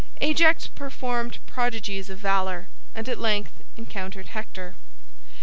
Ajax performed prodigies of valor, and at length encountered Hector.